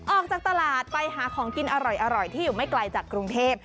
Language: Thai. ออกจากตลาดไปหาของกินอร่อยที่อยู่ไม่ไกลจากกรุงเทพ